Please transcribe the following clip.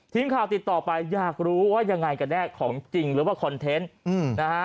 ทีมข่าวติดต่อไปอยากรู้ว่ายังไงกันแน่ของจริงหรือว่าคอนเทนต์นะฮะ